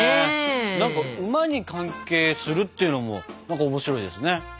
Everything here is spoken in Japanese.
何か馬に関係するっていうのも面白いですね！